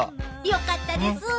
よかったです！